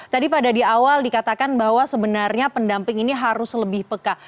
tadi pada di awal dikatakan bahwa sebenarnya pendamping ini harus lebih peka